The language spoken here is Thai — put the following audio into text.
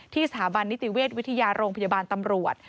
สถาบันนิติเวชวิทยาโรงพยาบาลตำรวจ